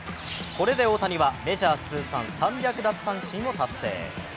これで大谷はメジャー通算３００奪三振を達成。